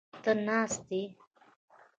ته ناست یې؟